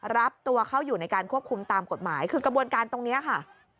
รับตัวเข้าอยู่ในการควบคุมตามกฎหมายคือกระบวนการตรงนี้ค่ะ